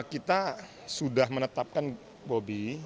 kita sudah menetapkan bobi